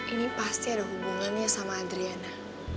ini pasti ada hubungannya sama adriana